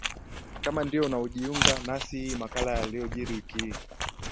kama ndio unajiunga nasi hii ni makala ya yaliojiri wiki hii